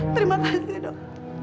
terima kasih dok